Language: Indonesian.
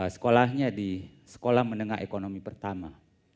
sekolahnya di sekolah menengah ekonomi pertama